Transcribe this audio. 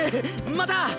また！